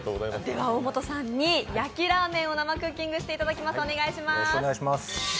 では大本さんに焼ラーメンを生クッキングしていただきます。